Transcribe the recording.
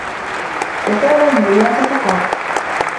وَسَأَلَ الْمُغِيرَةَ فَقَالَ